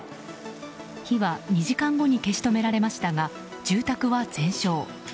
火は２時間後に消し止められましたが住宅は全焼。